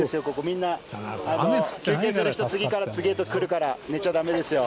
みんな休憩する人次から次へと来るから寝ちゃダメですよ。